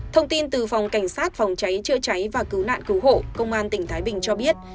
thông tin từ phòng cảnh sát phòng cháy chữa cháy và cứu nạn cứu hộ công an tỉnh thái bình cho biết